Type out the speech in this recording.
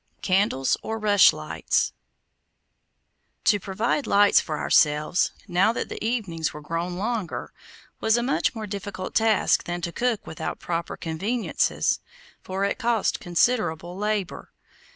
CANDLES OR RUSHLIGHTS To provide lights for ourselves, now that the evenings were grown longer, was a much more difficult task than to cook without proper conveniences, for it cost considerable labor.